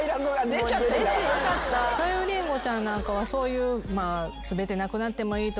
さゆりんごちゃんなんかはそういう。